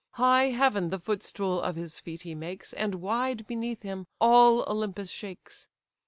High heaven the footstool of his feet he makes, And wide beneath him all Olympus shakes.